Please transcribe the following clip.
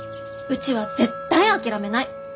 うちは絶対諦めない。